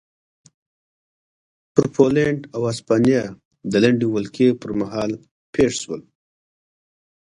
پر پولنډ او هسپانیا د لنډې ولکې پرمهال پېښ شول.